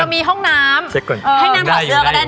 เรามีห้องน้ำให้นั่งตัวเสื้อก็ได้นะ